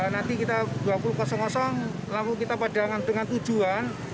nanti kita dua puluh lalu kita padangkan dengan tujuan